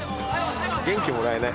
元気もらえない？